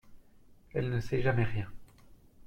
Elle ne sait jamais rien !